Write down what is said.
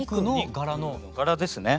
柄ですね。